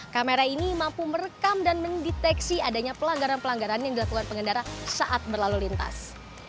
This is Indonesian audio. kamera ini mampu merekam dan mendeteksi adanya pelanggaran pelanggaran yang dilakukan pengendara saat berlalu lintas